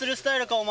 お前。